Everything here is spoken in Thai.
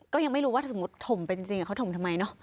ก็ยังไม่รู้ว่าสมมุติถมไปจริงเขาถมทำไมเนอะ